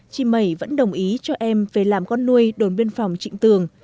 chị mẩy vẫn đồng ý cho em về làm con nuôi đồn biên phòng trịnh tường